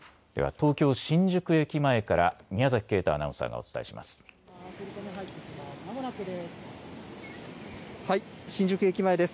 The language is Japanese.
東京新宿駅前から宮崎慶太アナウンサーがお伝えします。